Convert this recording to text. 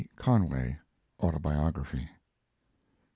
Conway, Autobiography.)